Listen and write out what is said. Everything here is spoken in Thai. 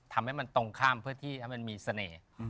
ทำให้มันตรงข้ามเพื่อที่ให้มันมีเสน่ห์